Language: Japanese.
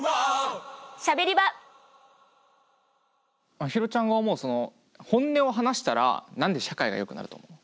まひろちゃんが思うその本音を話したら何で社会がよくなると思う？